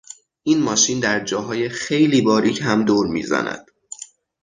این ماشین در جاهای خیلی باریک هم دور میزند.